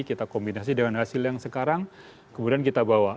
kita kombinasi dengan hasil yang sekarang kemudian kita bawa